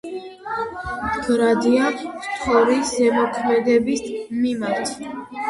მდგრადია ფთორის ზემოქმედების მიმართ.